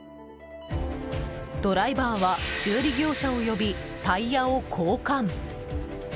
ドライバーは修理業者を呼びタイヤを交換。